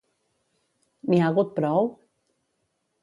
N'hi ha hagut prou?